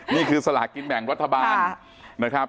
นี่คือสลากกินแบ่งรัฐบาลนะครับ